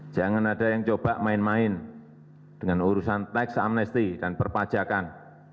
jangan ada yang coba main main dengan urusan tax amnesty dan perpajakan